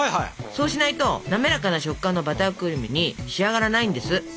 そうしないと滑らかな食感のバタークリームに仕上がらないんです。